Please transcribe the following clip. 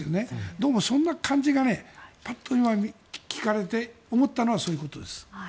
どうもそんな感じがぱっと聞かれて思ったのはそういうことです。